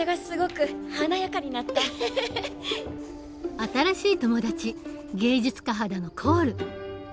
新しい友達芸術家肌のコール。